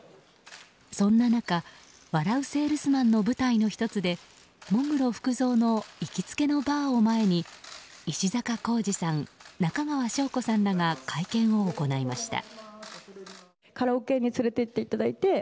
そんな中「笑ゥせぇるすまん」の舞台の１つで喪黒福造の行きつけのバーを前に石坂浩二さん、中川翔子さんが会見を行いました。